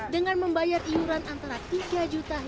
dengan membayar iuran antara tiga juta hingga tiga puluh juta rupiah